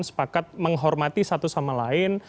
sepakat menghormati satu sama lain